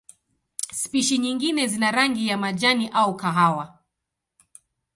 Spishi nyingine zina rangi ya majani au kahawa.